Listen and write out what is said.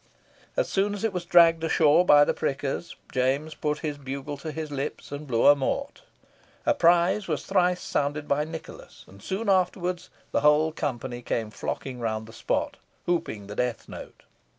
As soon as it was dragged ashore by the prickers, James put his bugle to his lips and blew a mort. A pryse was thrice sounded by Nicholas, and soon afterwards the whole company came flocking round the spot, whooping the death note.